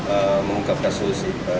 saya ingin mengungkapkan solusi